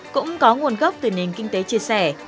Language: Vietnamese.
cũng có nguồn gốc từ nền kinh tế chia sẻ